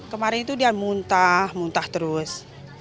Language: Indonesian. kemarin itu dia muntah muntah terus